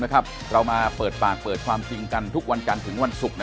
เรามาเปิดปากเปิดความจริงกันทุกวันจันทร์ถึงวันศุกร์